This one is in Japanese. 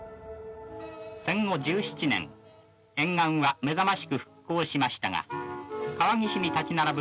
戦後１７年沿岸は目覚ましく復興しましたが川岸に立ち並ぶ